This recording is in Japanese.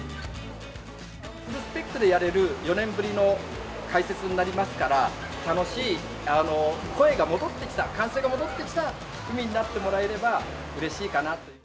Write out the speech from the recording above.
フルスペックでやれる４年ぶりの開設になりますから、楽しい声が戻ってきた、歓声が戻ってきた海になってもらえればうれしいかなという。